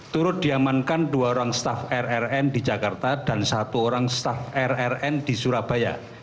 turut diamankan dua orang staff rrn di jakarta dan satu orang staf rrn di surabaya